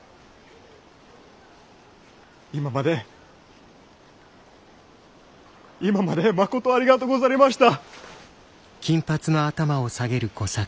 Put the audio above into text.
今まで今までまことありがとうござりました。